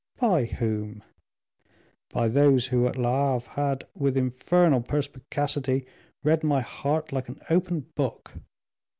"By whom?" "By those who, at Le Havre, had, with infernal perspicacity, read my heart like an open book."